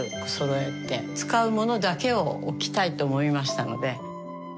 使うものだけを置きたいと思いましたので。